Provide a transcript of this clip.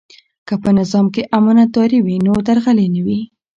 که په نظام کې امانتداري وي نو درغلي نه وي.